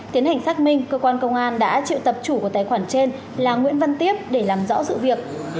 tiến hành xác minh cơ quan công an đã triệu tập chủ của tài khoản trên là nguyễn văn tiếp để làm rõ sự việc